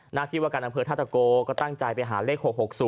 หน้าที่ว่าการอำเภอธาตะโกก็ตั้งใจไปหาเลข๖๖๐